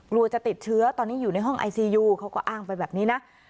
กลัวจะติดเชื้อตอนนี้อยู่ในห้องไอซียูเขาก็อ้างไปแบบนี้นะ